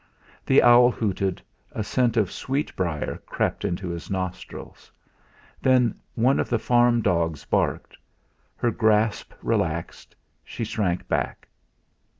The owl hooted, a scent of sweetbriar crept into his nostrils. Then one of the farm dogs barked; her grasp relaxed, she shrank back.